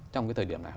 trong cái thời điểm này